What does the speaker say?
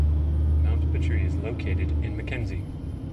Mount Petrie is located in Mackenzie.